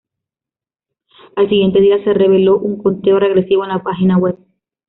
Al siguiente día se reveló un conteo regresivo en la página web.